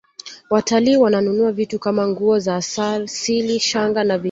watalii wananunua vitu Kama nguo za asili shanga na vinyago